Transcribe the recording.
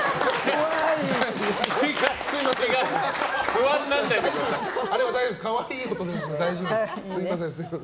不安にならないでください。